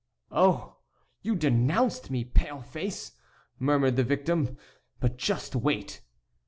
"Oh! you denounced me, pale face!" murmured the victim; "but just wait!"